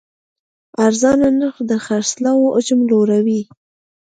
ارزانه نرخ د خرڅلاو حجم لوړوي.